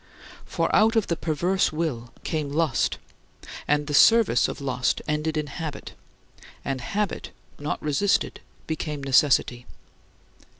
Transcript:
For out of the perverse will came lust, and the service of lust ended in habit, and habit, not resisted, became necessity.